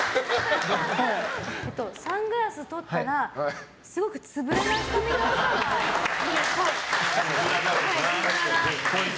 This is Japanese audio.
サングラスとったらすごくつぶらな瞳の人がいるっぽい。